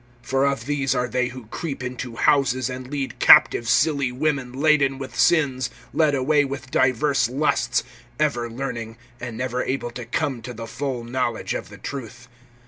(6)For of these are they who creep into houses, and lead captive silly women laden with sins, led away with divers lusts, (7)ever learning, and never able to come to the full knowledge of the truth.